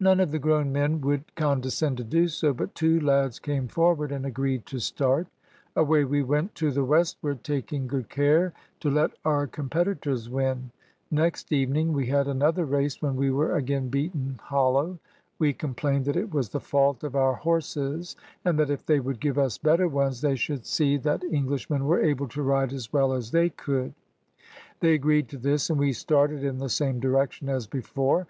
None of the grown men would condescend to do so, but two lads came forward and agreed to start. Away we went to the westward, taking good care to let our competitors win. Next evening we had another race, when we were again beaten hollow. We complained that it was the fault of our horses, and that if they would give us better ones they should see that Englishmen were able to ride as well as they could. They agreed to this, and we started in the same direction as before.